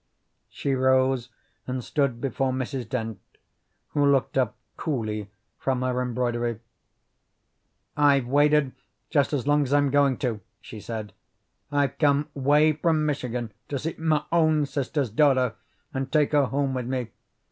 She rose and stood before Mrs. Dent, who looked up coolly from her embroidery. "I've waited just as long as I'm going to," she said. "I've come 'way from Michigan to see my own sister's daughter and take her home with me.